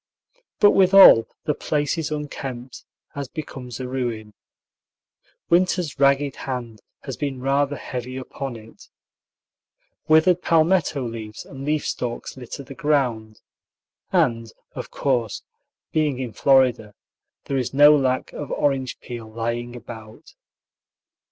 But withal the place is unkempt, as becomes a ruin. "Winter's ragged hand" has been rather heavy upon it. Withered palmetto leaves and leaf stalks litter the ground, and of course, being in Florida, there is no lack of orange peel lying about.